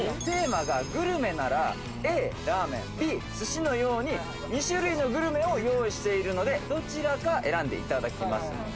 テーマがグルメなら「Ａラーメン」「Ｂ寿司」のように２種類のグルメを用意しているのでどちらか選んでいただきます